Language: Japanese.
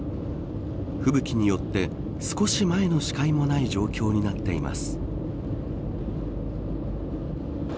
吹雪によって少し前の視界もない状態になっています。